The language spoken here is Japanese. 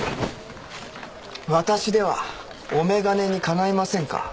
私ではお眼鏡にかないませんか？